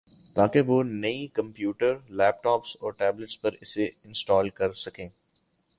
تاکہ وہ نئی کمپیوٹر ، لیپ ٹاپس اور ٹیبلٹس پر اسے انسٹال کر سکیں